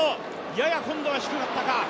やや今度は低かったか。